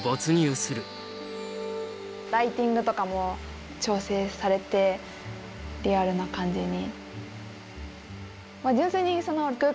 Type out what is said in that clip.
ライティングとかも調整されてリアルな感じに。